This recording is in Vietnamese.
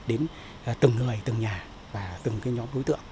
đến từng người từng nhà và từng nhóm đối tượng